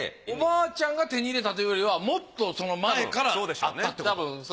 おばあちゃんが手に入れたというよりはもっとその前からあったってこと？